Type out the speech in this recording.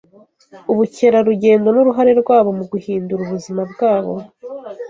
ubukerarugendo n’uruhare rwabwo mu guhindura ubuzima bwabo